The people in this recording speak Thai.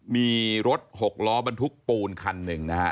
มีรถหกล้อบรรทุกปูนคันหนึ่งนะฮะ